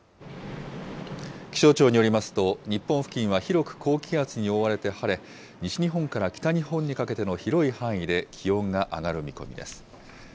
気象庁によりますと、日本付近は広く高気圧に覆われて晴れ、西日本から北日本にかけての広い範囲で気温が上がる見込みです。